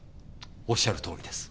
おっしゃるとおりです。